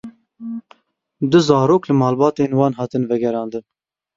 Du zarok li malbatên wan hatin vegerandin.